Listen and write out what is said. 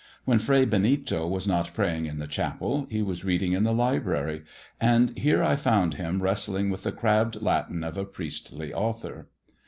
When Fray Benito was not praying in the chapel, he was reading in the library; and here I found him wrestling with the crabbed Latin of a priestly author.